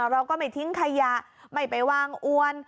เราก็ไม่ทิ้งขยะไม่ไปวางอวน